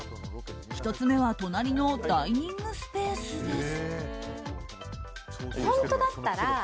１つ目は隣のダイニングスペースです。